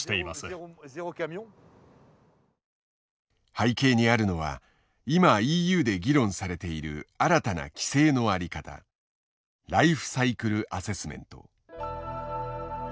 背景にあるのは今ＥＵで議論されている新たな規制の在り方「ライフサイクルアセスメント」。